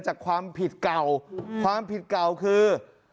จากความผิดเก่าคือ